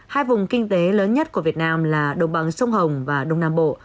hai vùng kinh tế lớn nhất của việt nam là đồng bằng sông hồng và đông nam bộ